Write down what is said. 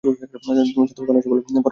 তুমি শান্তমুখে অনায়াসে বললে, বড়ো গরম লাগে।